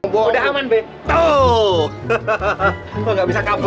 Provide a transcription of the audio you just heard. bobo udah aman betul hahaha nggak bisa kabur